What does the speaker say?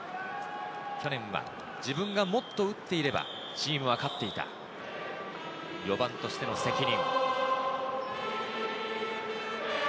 去年は自分がもっと打っていればチームは勝っていた、４番としての責任。